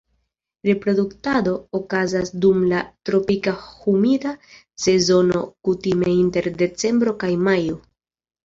Reproduktado okazas dum la tropika humida sezono kutime inter decembro kaj majo.